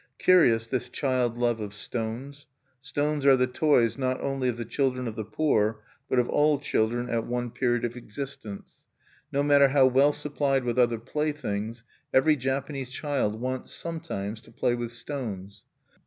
Curious, this child love of stones! Stones are the toys not only of the children of the poor, but of all children at one period of existence: no matter how well supplied with other playthings, every Japanese child wants sometimes to play with stones.